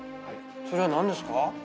それは何ですか？